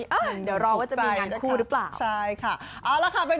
อ่ะเดี๋ยวรอว่าจะมีงานคู่หรือเปล่าใช่ค่ะเอาละค่ะเป็น